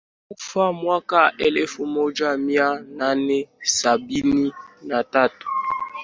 Alikufa mwaka elfu moja mia nane sabini na tatu